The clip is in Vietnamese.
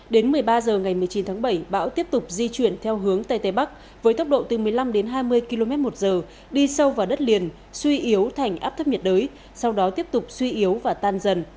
đến một mươi ba h ngày một mươi chín tháng bảy bão tiếp tục di chuyển theo hướng tây tây bắc với tốc độ từ một mươi năm đến hai mươi km một giờ đi sâu vào đất liền suy yếu thành áp thấp nhiệt đới sau đó tiếp tục suy yếu và tan dần